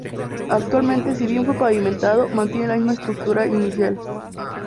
Actualmente, si bien fue pavimentado, mantiene la misma estructura inicial.